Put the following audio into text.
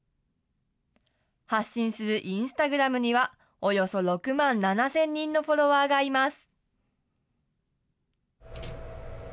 発信するインスタグラムにはおよそ６万７０００人のフォロワーがいます。